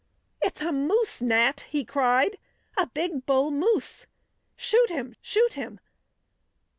"It's a moose, Nat!" he cried. "A big bull moose! Shoot him! Shoot him!"